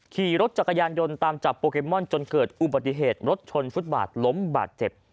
ขี่รถจักรยานยนต์ตามจับโปเกมอนจนเกิดอุบัติเหตุรถชนฟุตบาทล้มบาดเจ็บ